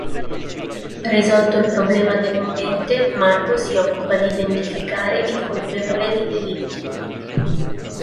Risolto il problema del movente, Margo si occupa di identificare il colpevole dei delitti.